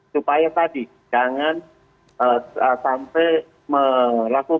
supaya tadi jangan sampai melakukan